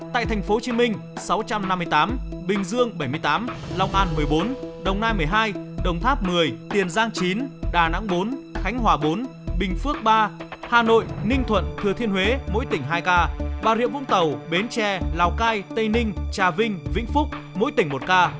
tại tp hcm sáu trăm năm mươi tám bình dương bảy mươi tám lòng an một mươi bốn đồng nai một mươi hai đồng tháp một mươi tiền giang chín đà nẵng bốn khánh hòa bốn bình phước ba hà nội ninh thuận thừa thiên huế mỗi tỉnh hai ca bà rịa vũng tàu bến tre lào cai tây ninh trà vinh vĩnh phúc mỗi tỉnh một ca